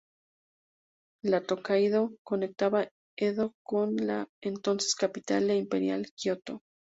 La Tōkaidō conectaba Edo con la entonces capital imperial, Kioto.